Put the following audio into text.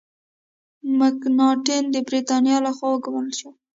مکناټن د برتانیا له خوا وګمارل شو.